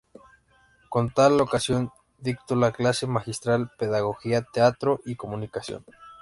Con tal ocasión dictó la clase magistral "Pedagogía, Teatro y comunicación".